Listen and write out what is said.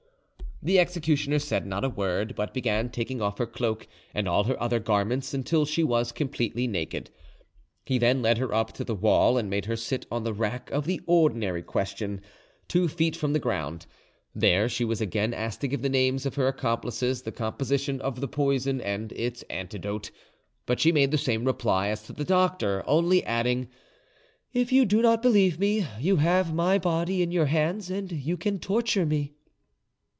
The executioner said not a word, but began taking off her cloak and all her other garments, until she was completely naked. He then led her up to the wall and made her sit on the rack of the ordinary question, two feet from the ground. There she was again asked to give the names of her accomplices, the composition of the poison and its antidote; but she made the same reply as to the doctor, only adding, "If you do not believe me, you have my body in your hands, and you can torture me."